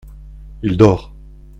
Il dort.